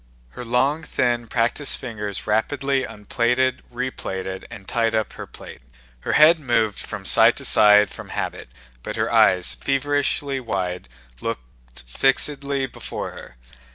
Her long, thin, practiced fingers rapidly unplaited, replaited, and tied up her plait. Her head moved from side to side from habit, but her eyes, feverishly wide, looked fixedly before her.